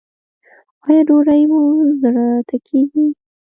ایا ډوډۍ مو زړه ته کیږي؟